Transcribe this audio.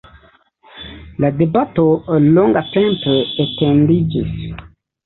La debato longatempe etendiĝis.